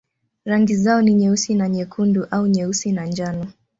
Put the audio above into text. Rangi zao ni nyeusi na nyekundu au nyeusi na njano.